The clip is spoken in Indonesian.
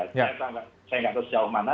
saya nggak tahu sejauh mana